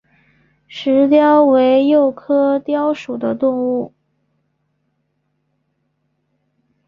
石貂为鼬科貂属的动物。